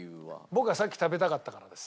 僕がさっき食べたかったからです。